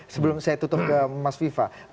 sebelum saya tutup ke mas viva